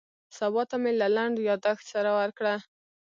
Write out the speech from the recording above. سبا ته مې له لنډ یاداښت سره ورکړه.